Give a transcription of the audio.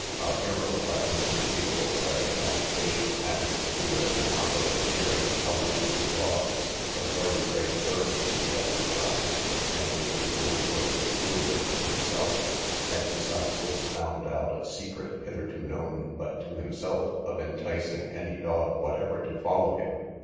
our hero, by indefatigable study and application, added to it a remarkable cheering halloo to the dogs, of very great service to the exercise, and which, we believe, was peculiar to himself; and, besides this, found out a secret, hitherto known but to himself, of enticing any dog whatever to follow him.